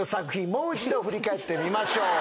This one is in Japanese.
もう一度振り返ってみましょう。